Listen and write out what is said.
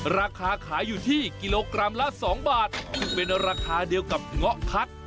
ราคาขายอยู่ที่กิโลกรัมละ๒บาทซึ่งเป็นราคาเดียวกับเงาะคัด